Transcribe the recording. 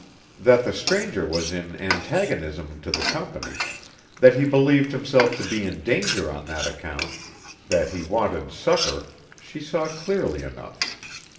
That the stranger was in antagonism to the Company, that he believed himself to be in danger on that account, that he wanted succor, she saw clearly enough.